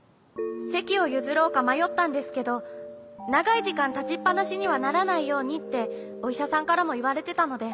せきをゆずろうかまよったんですけどながいじかんたちっぱなしにはならないようにっておいしゃさんからもいわれてたので。